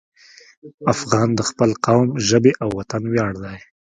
افغان د خپل قوم، ژبې او وطن ویاړ دی.